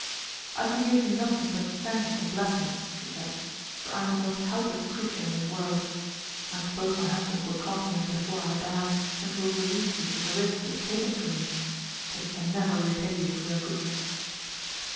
"'I can give you nothing but thanks and blessings,' she said, 'for I am the most helpless creature in this world. I suppose my husband will come here before I die, and will relieve you from the risk you have taken for me; but he can never repay you for your goodness.'